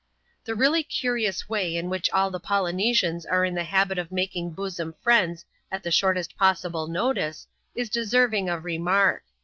The really curious way in which all the Poljmesians are in the habit of making bosom friends at the shortest possible notice, is deserving of remark.